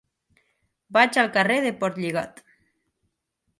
Vaig al carrer de Portlligat.